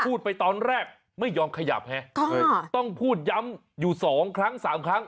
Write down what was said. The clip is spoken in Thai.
พูดไปตอนแรกไม่ยอมขยับฮะต้องพูดย้ำอยู่สองครั้งสามครั้ง